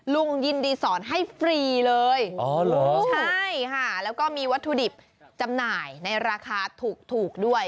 ลุงยินดีสอนให้ฟรีเลยอ๋อเหรอใช่ค่ะแล้วก็มีวัตถุดิบจำหน่ายในราคาถูกด้วย